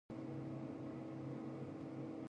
空気をお尻から吸ってみます。